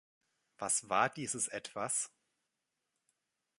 Was war dieses Etwas?